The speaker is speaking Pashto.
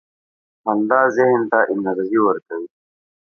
• خندا ذهن ته انرژي ورکوي.